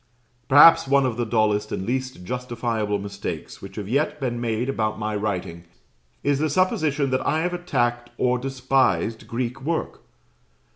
Perhaps one of the dullest and least justifiable mistakes which have yet been made about my writing, is the supposition that I have attacked or despised Greek work.